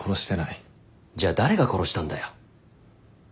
じゃあ誰が殺したんだよ。